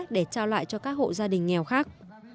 để trao lại cho các hộ gia đình nghèo khác